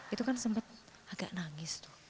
itu kan sempat agak nangis tuh